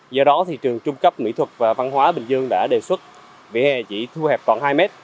do đó thì trường trung cấp nghĩa thuật và văn hóa bình dương đã đề xuất vỉa hè chỉ thu hẹp còn hai m